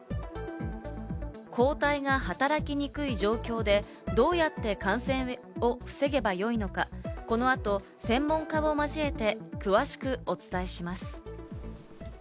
抗体が働きにくい状況で、どうやって感染を防げば良いのか、この後、専門家を交えて、詳しくお伝えします。